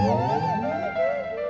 you can be my preguntata